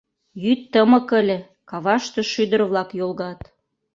Йӱд тымык ыле, каваште шӱдыр-влак йолгат.